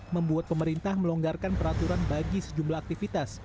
membuat pemerintah melonggarkan peraturan bagi sejumlah aktivitas